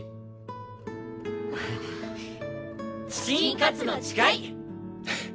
「チキンカツの誓い」！